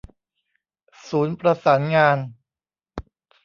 ศูนย์ประสานงาน